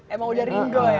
emang udah ringo ya